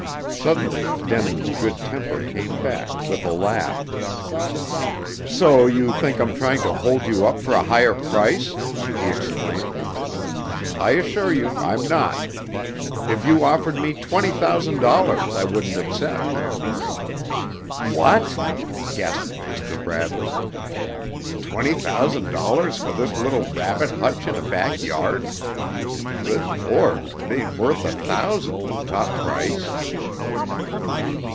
Suddenly Denin's good temper came back, with a laugh. "So you think I'm trying to 'hold you up' for a higher price!" he exclaimed. "I assure you I'm not. If you offered me twenty thousand dollars I wouldn't accept." "What!" gasped Mr. Bradley. "Twenty thousand dollars for this little rabbit hutch in a back yard? Good Lord, it ain't worth a thousand, at top price."